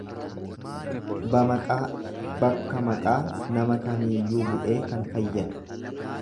Bamaqaa bakka maqaa nama kamiiyyuu bu'ee kan fayyadu.